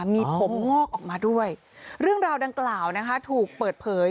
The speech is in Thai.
มีผมงอกออกมาด้วยเรื่องราวดังกล่าวนะคะถูกเปิดเผย